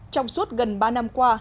trong suốt gần ba năm qua